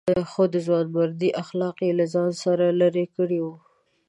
خو د ځوانمردۍ اخلاق یې له ځان څخه لرې کړي وو.